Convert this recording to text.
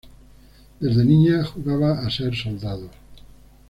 Desde niña jugaba a ser soldado.